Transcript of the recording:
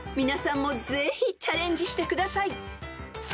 ［皆さんもぜひチャレンジしてください］